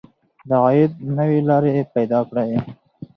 د عاید نوې لارې پیدا کړئ.